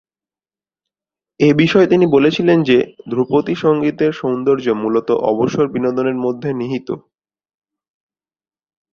এ বিষয়ে তিনি বলেছিলেন যে, ধ্রুপদী সঙ্গীতের সৌন্দর্য্য মূলতঃ অবসর বিনোদনের মধ্যে নিহিত।